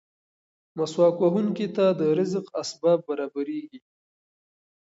مسواک وهونکي ته د رزق اسباب برابرېږي.